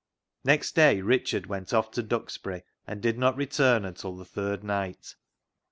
Next day Richard went off to Duxbury, and did not return until the third night.